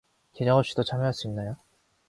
계정 없이도 참여할 수 있나요?